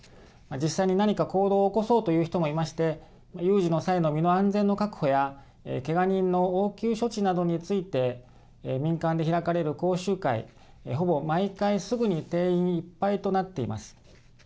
実際に何か行動を起こそうという人もいまして有事の際の身の安全の確保やけが人の応急処置などについて民間で開かれる講習会ほぼ毎回、すぐに定員いっぱいとなっています。